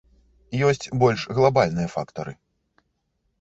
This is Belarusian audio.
Ёсць больш глабальныя фактары.